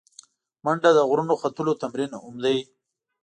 منډه د غرونو ختلو تمرین هم دی